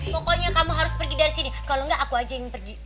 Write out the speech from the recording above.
pokoknya kamu harus pergi dari sini kalau enggak aku aja yang pergi